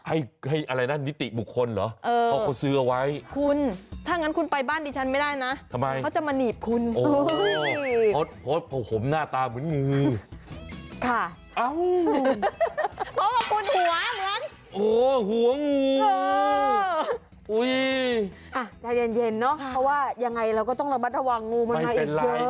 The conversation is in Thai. อ่ะใจเย็นเนอะเพราะว่ายังไงเราก็ต้องระบัดต่อว่างงูมานะอีกเกิน